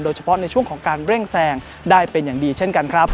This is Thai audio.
โดยเฉพาะในช่วงของการเร่งแซงได้เป็นอย่างดีเช่นกันครับ